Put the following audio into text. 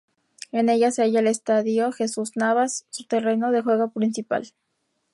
En ella se halla el Estadio Jesús Navas su terreno de juego principal.